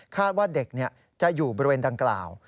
ว่าเด็กจะอยู่บริเวณดังกล่าว